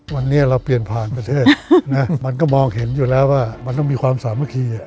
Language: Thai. วันนี้เราเปลี่ยนผ่านประเทศนะมันก็มองเห็นอยู่แล้วว่ามันต้องมีความสามัคคี